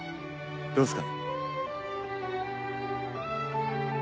どうっすか？